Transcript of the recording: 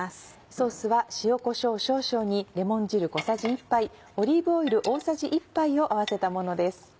ソースは塩こしょう少々にレモン汁小さじ１杯オリーブオイル大さじ１杯を合わせたものです。